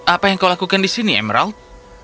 apa yang kau lakukan di sini emerald